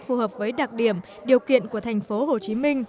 phù hợp với đặc điểm điều kiện của tp hcm